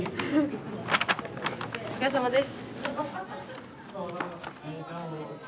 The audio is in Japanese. お疲れさまです。